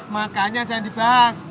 makanya jangan dibahas